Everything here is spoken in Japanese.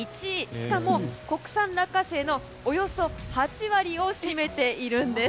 しかも、国産落花生のおよそ８割を占めているんです。